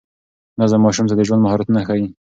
نظم ماشوم ته د ژوند مهارتونه ښيي.